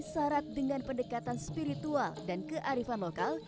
syarat dengan pendekatan spiritual dan kearifan lokal